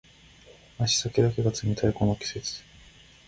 足先だけが冷たいこの季節